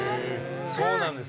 宮村：そうなんです。